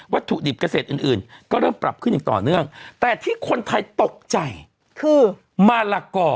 ถุดิบเกษตรอื่นก็เริ่มปรับขึ้นอย่างต่อเนื่องแต่ที่คนไทยตกใจคือมาลากอ